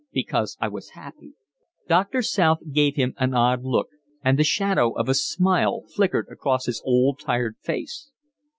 "Because I was happy." Doctor South gave him an odd look, and the shadow of a smile flickered across his old, tired face.